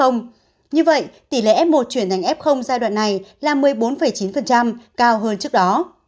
như vậy tỷ lệ f một chuyển ngành f giai đoạn này là một mươi bốn chín cao hơn trước đó